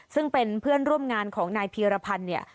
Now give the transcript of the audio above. ซึ่งเป็นเพื่อนร่วมงานของนายพีรพันธ์เนี่ย